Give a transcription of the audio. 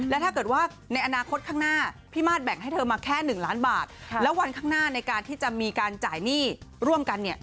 แล้วถ้าเกิดว่าในอนาคตข้างหน้าพี่มาสแบ่งให้เธอมาแค่๑ล้านบาทแล้ววันข้างหน้าในการที่จะมีการจ่ายหนี้ร่วมกันเนี่ย